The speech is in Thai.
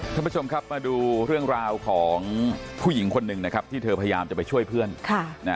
ท่านผู้ชมครับมาดูเรื่องราวของผู้หญิงคนหนึ่งนะครับที่เธอพยายามจะไปช่วยเพื่อน